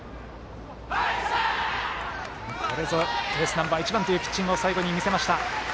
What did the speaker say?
これぞエースナンバー１番というピッチングを最後に見せました。